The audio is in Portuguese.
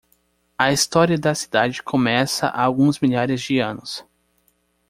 A história da cidade começa há alguns milhares de anos.